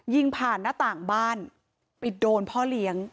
ยิงผ่านหน้าต่างบ้านไปโดนพ่อเลี้ยง